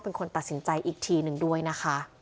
เป็นคนตัดสินใจอีกทีหนึ่งด้วยนะคะ